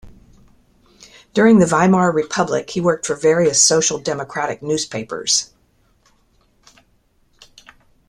During the Weimar Republic, he worked for various social democratic newspapers.